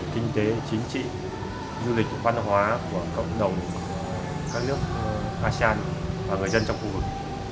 kinh tế chính trị du lịch văn hóa của cộng đồng các nước asean và người dân trong khu vực